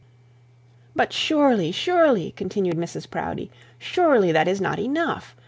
'But surely, surely,' continued Mrs Proudie, 'surely that is not enough.